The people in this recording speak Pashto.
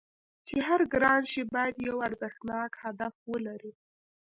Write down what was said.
چې هر ګران شی باید یو ارزښتناک هدف ولري